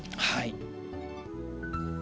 はい。